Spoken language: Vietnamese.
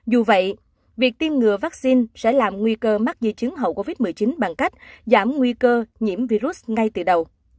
dù vậy việc tiêm ngừa vaccine sẽ làm nguy cơ mắc di chứng hậu covid một mươi chín bằng cách giảm nguy cơ nhiễm virus ngay từ đầu